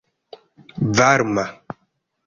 varma